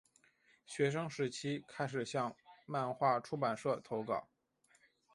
学生时期开始向漫画出版社投稿。